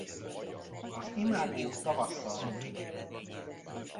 Az imágó tavasszal repül.